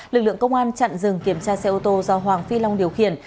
lực lượng công an chặn rừng kiểm tra xe ô tô do hoàng phi long điều khiển